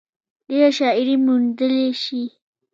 ډېره شاعري موندلے شي ۔